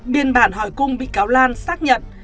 biên bản hỏi cung bị cáo lan xác nhận